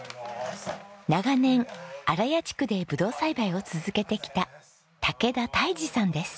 長年荒谷地区でブドウ栽培を続けてきた武田泰治さんです。